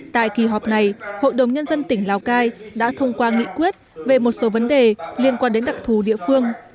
tại kỳ họp này hội đồng nhân dân tỉnh lào cai đã thông qua nghị quyết về một số vấn đề liên quan đến đặc thù địa phương